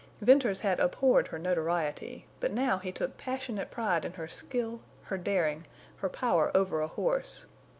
Venters had abhorred her notoriety, but now he took passionate pride in her skill, her daring, her power over a horse.